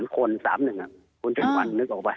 ๓คน๓หนึ่งคุณทุกคนนึกออกปะ